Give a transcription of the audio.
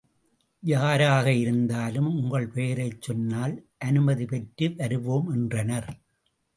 யாராக இருந்தாலும் உங்கள் பெயரைச் சொன்னால் அனுமதி பெற்று வருவோம் என்றனர்.